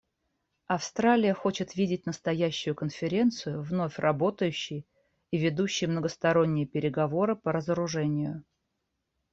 Австралия хочет видеть настоящую Конференцию вновь работающей и ведущей многосторонние переговоры по разоружению.